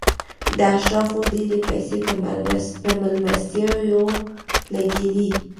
د اشرافو ډېرې پیسې په مېلمستیاوو لګېدې.